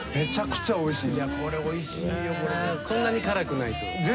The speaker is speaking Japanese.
そんなに辛くないと。